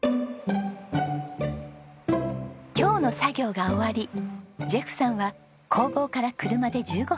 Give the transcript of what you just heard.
今日の作業が終わりジェフさんは工房から車で１５分の自宅へ。